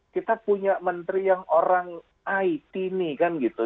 kita punya menteri yang orang it nih kan gitu